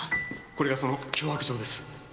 これがその脅迫状です。